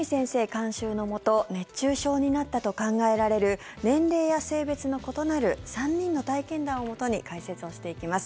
監修のもと熱中症になったと考えられる年齢や性別の異なる３人の体験談をもとに解説をしていきます。